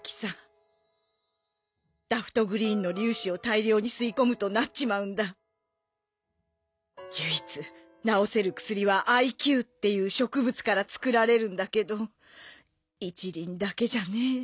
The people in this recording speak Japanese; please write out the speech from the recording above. ダフトグリーンの粒子を大量に吸い込むとなっちまうんだ唯一治せる薬はＩＱっていう植物から作られるんだけど一輪だけじゃねぇ